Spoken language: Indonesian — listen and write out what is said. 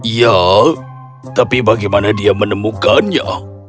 ya tapi bagaimana dia menemukannya